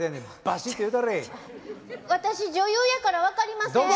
私女優やから分かりません。